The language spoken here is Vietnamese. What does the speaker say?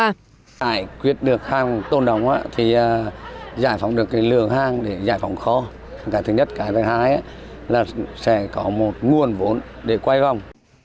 tại quyết được hàng tôn đồng thì giải phóng được lượng hàng để giải phóng kho cái thứ nhất cái thứ hai là sẽ có một nguồn vốn để quay vòng